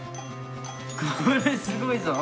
これすごいぞ！